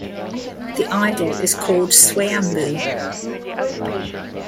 The idol is called "Swayamboo".